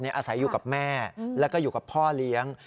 อาศัยอยู่กับแม่แล้วก็อยู่กับพ่อเลี้ยง